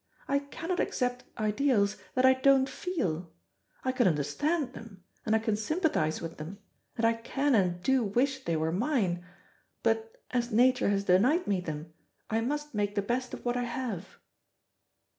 I cannot accept ideals that I don't feel. I can understand them, and I can sympathise with them, and I can and do wish they were mine; but, as Nature has denied me them, I must make the best of what I have."